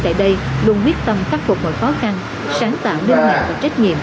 tại đây luôn quyết tâm phát phục mọi khó khăn sáng tạo đơn mạng và trách nhiệm